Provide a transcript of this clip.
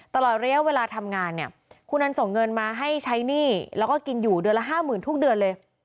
ตลอดระยะเวลาทำงานเนี่ยคุณอันส่งเงินมาให้ใช้หนี้แล้วก็กินอยู่เดือนละ๕๐๐๐ทุกเดือนเลย